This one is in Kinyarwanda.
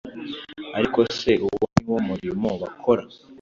Ariko se uwo ni wo murimo bakora?